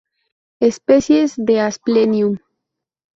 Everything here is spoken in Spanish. Especies de Asplenium